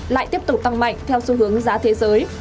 lại tiếp tục tăng mạnh theo xu hướng giá thế giới